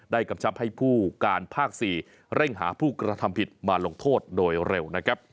กำชับให้ผู้การภาค๔เร่งหาผู้กระทำผิดมาลงโทษโดยเร็วนะครับ